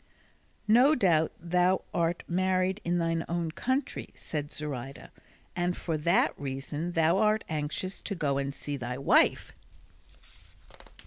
"No doubt thou art married in thine own country," said Zoraida, "and for that reason thou art anxious to go and see thy wife."